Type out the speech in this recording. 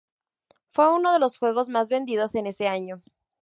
Fue uno de los juegos más vendidos en ese año.